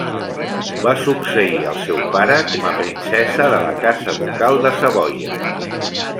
Va succeir al seu pare com a princesa de la casa ducal de Savoia.